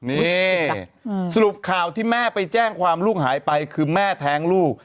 นี่สรุปข่าวที่แม่ไปแจ้งความลูกหายไปคือแม่แท้งลูก